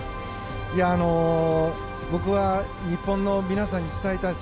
僕は、日本の皆さんに伝えたいです。